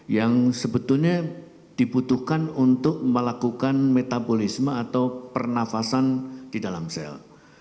yang sebetulnya dibutuhkan untuk melakukan metabolisme atau pernafasan di dalam sel